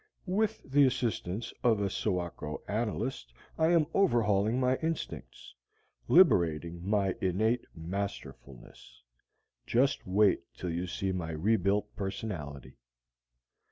With the assistance of a soako analyst I am overhauling my instincts, liberating my innate masterfulness. Just wait till you see my rebuilt personality.